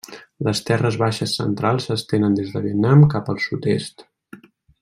Les terres baixes centrals s'estenen des de Vietnam cap al sud-est.